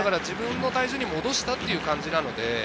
自分の体重に戻したという感じなので。